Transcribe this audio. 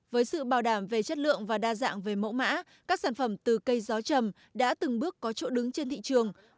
với sự bảo đảm về chất lượng và đa dạng về mẫu mã các sản phẩm từ cây gió chầm đã từng bước có chỗ đứng trên thị trường